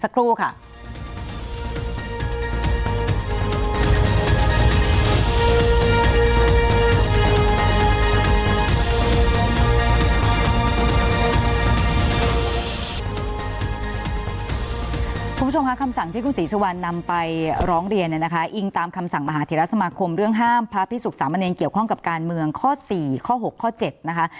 คุณผู้ชมค่ะคำสั่งที่คุณศรีสุวรรณนำไปร้องเรียนเนี่ยนะคะอิงตามคำสั่งมหาเทรสมาคมเรื่องห้ามพระพิสุขสามเนรเกี่ยวข้องกับการเมืองข้อ๔ข้อ๖ข้อ๗นะคะ